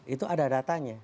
itu ada datanya